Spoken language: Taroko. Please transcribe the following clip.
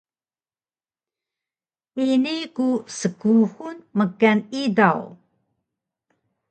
ini ku skuxul mkan idaw